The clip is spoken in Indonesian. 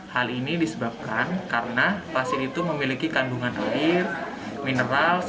hal ini disebabkan karena pasir itu memiliki kandungan air mineral